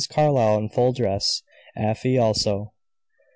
CARLYLE IN FULL DRESS, AFY ALSO.